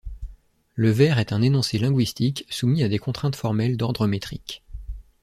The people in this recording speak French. Le vers est un énoncé linguistique soumis à des contraintes formelles d'ordre métrique.